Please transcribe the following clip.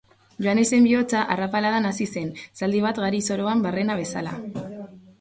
Joanesen bihotza arrapaladan hasi zen, zaldi bat gari-soroan barrena bezala.